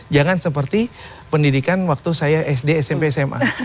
jangan seperti pendidikan waktu saya sd smp sma